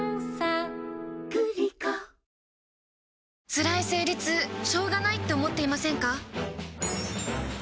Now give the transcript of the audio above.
つらい生理痛しょうがないって思っていませんか？